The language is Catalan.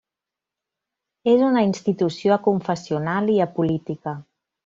És una institució aconfessional i apolítica.